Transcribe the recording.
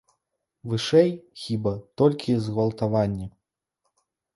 Вышэй, хіба, толькі згвалтаванні.